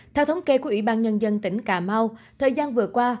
theo thống kê của ủy ban nhân dân tỉnh cà mau thời gian vừa qua